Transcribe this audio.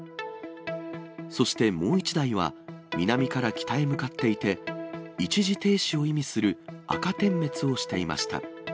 そしてもう１台は、南から北へ向かっていて、一時停止を意味する赤点滅をしていました。